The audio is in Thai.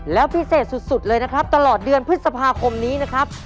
แล้วพิเศษสุดเลยนะครับตลอดเดือนพฤษภาคมนี้นะครับ